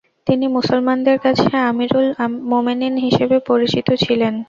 তিনি মুসলমানদের কাছে আমিরুল মোমেনীন হিসেবে পরিচিত ছিলেন।